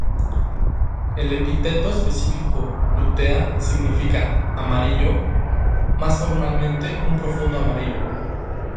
El epíteto específico "lutea" significa "amarillo", más normalmente un profundo amarillo.